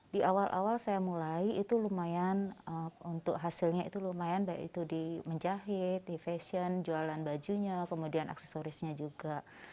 di awal awal saya mulai itu lumayan untuk hasilnya itu lumayan baik itu di menjahit di fashion jualan bajunya kemudian aksesorisnya juga